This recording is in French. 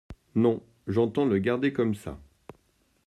Non, j’entends le garder comme ça.